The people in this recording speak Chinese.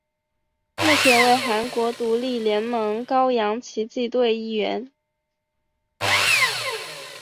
目前为韩国独立联盟高阳奇迹队一员。